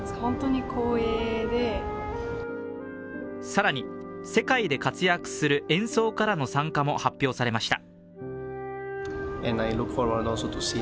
更に世界で活躍する演奏家らの参加も発表されました。